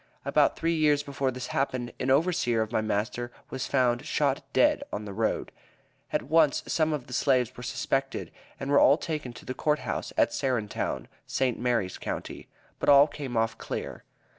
About three years before this happened, an overseer of my master was found shot dead on the road. At once some of the slaves were suspected, and were all taken to the Court House, at Serentown, St. Mary's county; but all came off clear.